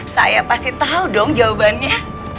saya pasti tahu dong jawabannya